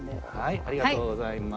ありがとうございます。